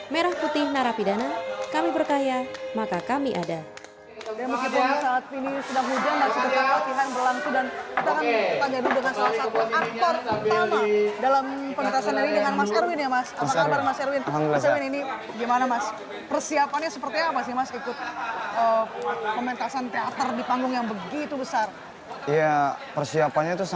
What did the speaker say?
merah putih narapidana kami berkaya maka kami ada